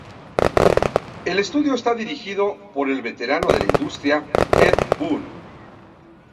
El estudio está dirigido por el veterano de la industria Ed Boon.